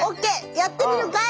やってみるかい？